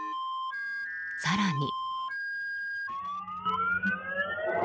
更に。